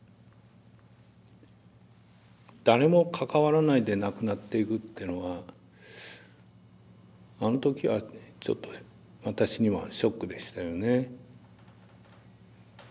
誰も関わらないで亡くなっていくっていうのはあの時はちょっと私にはショックでしたよね。